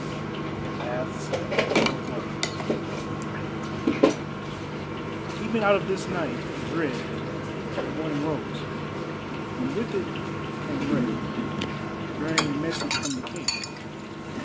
THE BATHS OF BRONZE Even out of this night of dread the morning rose, and with it came Rei, bearing a message from the King.